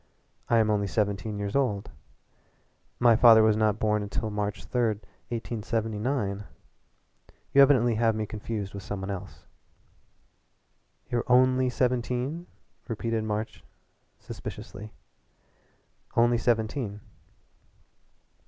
"I am only seventeen years old. My father was not born until March 3, 1879. You evidently have me confused with some one else." "You're only seventeen?" repeated March suspiciously. "Only seventeen."